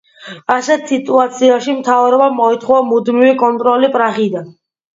ასეთ სიტუაციაში მთავრობამ მოითხოვა მუდმივი კონტროლი პრაღიდან.